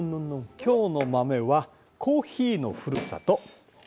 今日の豆はコーヒーのふるさと